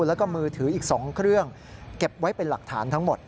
แล้วก็มือถืออีก๒เครื่องเก็บไว้เป็นหลักฐานทั้งหมด